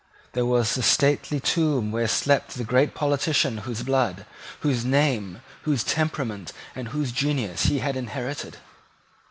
There was the stately tomb where slept the great politician whose blood, whose name, whose temperament, and whose genius he had inherited.